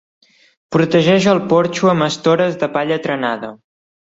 Protegeix el porxo amb estores de palla trenada.